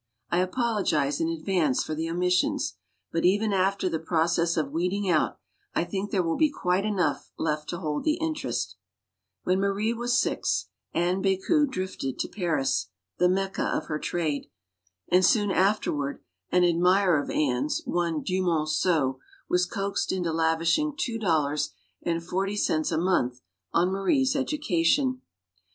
I apologize in advance for the omissions. But even after the pro cess of weeding out, I think there will be quite enough left to hold the interest. When Marie was six, Anne Becu drifted to Paris 176 STORIES OF THE SUPER WOMEN the Mecca of her trade. And soon afterward, an ad mirer of Anne's, one Dumonceau, was coaxed into lav ishing two dollars and forty cents a month on Marie's education.